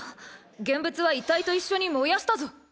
原物は遺体と一緒に燃やしたぞ。